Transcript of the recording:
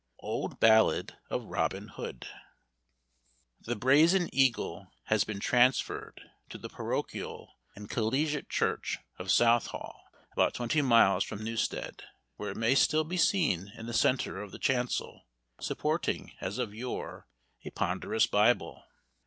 OLD BALLAD OF ROBIN HOOD. The brazen eagle has been transferred to the parochial and collegiate church of Southall, about twenty miles from Newstead, where it may still be seen in the centre of the chancel, supporting, as of yore, a ponderous Bible.